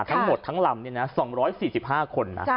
ทั้งหมดทั้งลำ๒๔๕คนนะ